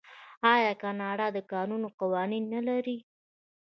آیا کاناډا د کانونو قوانین نلري؟